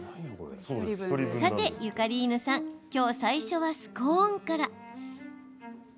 さて、ゆかりーぬさんきょう最初はスコーンから。